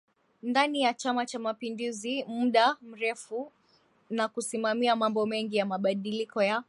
ndani ya Chama cha mapinduzi muda mrefu na kusimamia mambo mengi ya mabadiliko ya